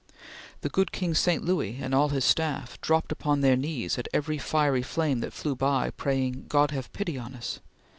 The good king St. Louis and all his staff dropped on their knees at every fiery flame that flew by, praying "God have pity on us!"